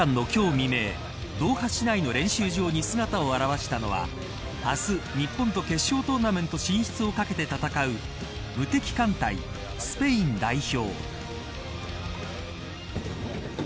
未明ドーハ市内の練習場に姿を現したのは明日、日本と決勝トーナメント進出をかけて戦う無敵艦隊、スペイン代表。